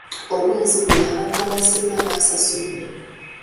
Omwezi guno abantu abasinga basasuddde.